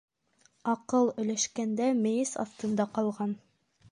Аҡыл өләшкәндә мейес аҫтында ҡалған.